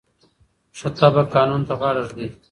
ښه تبعه قانون ته غاړه ږدي.